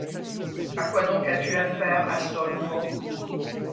À qui donc as-tu affaire, Astolfo?